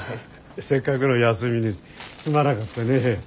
せっかくの休みにすまなかったね。